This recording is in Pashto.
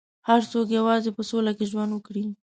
هر څوک غواړي چې په سوله کې ژوند وکړي.